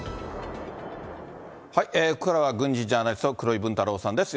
ここからは軍事ジャーナリスト、黒井文太郎さんです。